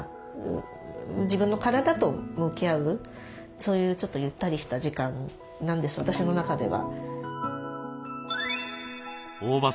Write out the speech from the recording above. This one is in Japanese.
そういうちょっとゆったりした時間なんです私の中では。